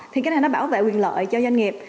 thì cái này nó bảo vệ quyền lợi cho doanh nghiệp